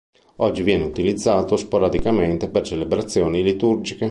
Oggi viene utilizzato sporadicamente per celebrazioni liturgiche.